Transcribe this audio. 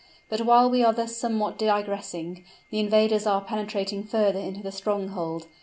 But while we are thus somewhat digressing, the invaders are penetrating further into the stronghold.